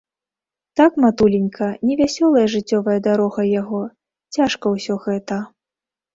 Так, матуленька, невясёлая жыццёвая дарога яго, цяжка ўсё гэта.